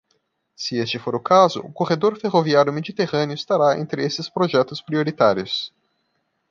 Se este for o caso, o corredor ferroviário mediterrâneo estará entre esses projetos prioritários.